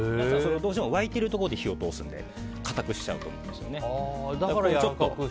どうしても沸いているところで火を通すので硬くしちゃうんですよね。